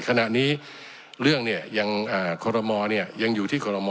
ขณะนี้เรื่องเนี่ยยังคอรมอลเนี่ยยังอยู่ที่คอรมอ